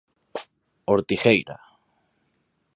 Ortigueira.